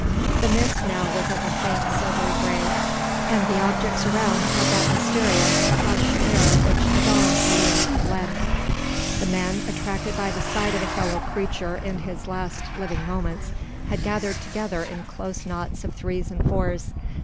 The mist now was of a faint silvery grey, and the objects around had that mysterious hushed air which the dawn alone can lend. The men, attracted by the sight of a fellow creature in his last living moments, had gathered together in close knots of threes and fours.